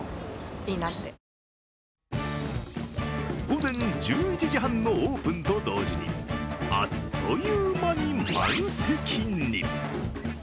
午前１１時半のオープンと同時にあっという間に満席に。